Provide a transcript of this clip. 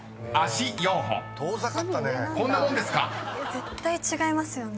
絶対違いますよね。